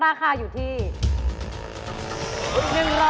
อ๋อนี่คือร้านเดียวกันเหรออ๋อนี่คือร้านเดียวกันเหรอ